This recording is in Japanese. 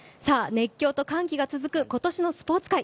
熱狂と歓喜が続く今年のスポーツ界。